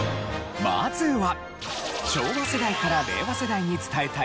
まずは。